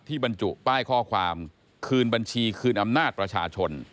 บรรจุป้ายข้อความคืนบัญชีคืนอำนาจประชาชน